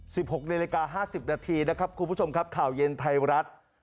๑๖นิรกา๕๐นาทีนะครับคุณผู้ชมครับข่าวเย็นไทยรัฐ